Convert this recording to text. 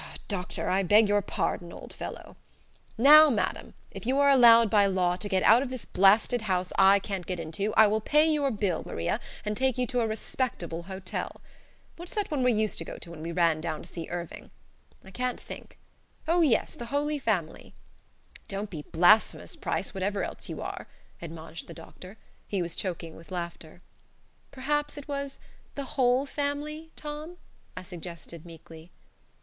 Doctor! I beg your pardon, old fellow. Now madam, if you are allowed by law to get out of this blasted house I can't get into, I will pay your bill, Maria, and take you to a respectable hotel. What's that one we used to go to when we ran down to see Irving? I can't think Oh yes 'The Holy Family.'" "Don't be blasphemous, Price, whatever else you are!" admonished the doctor. He was choking with laughter. "Perhaps it was 'The Whole Family,' Tom?" I suggested, meekly.